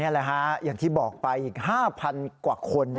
อย่างที่บอกไปอีก๕๐๐๐กว่าคน